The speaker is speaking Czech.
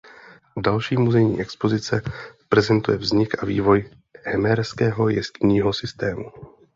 Další muzejní expozice prezentuje vznik a vývoj hemerského jeskynního systému.